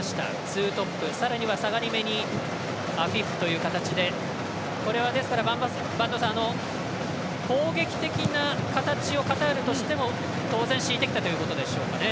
ツートップ、さらには下がりめにアフィフという形でこれは播戸さん、攻撃的な形をカタールとしても当然、敷いてきたという形ですかね。